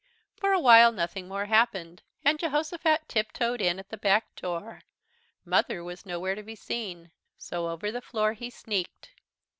For a while nothing more happened, and Jehosophat tiptoed in at the back door. Mother was nowhere to be seen, so over the floor he sneaked.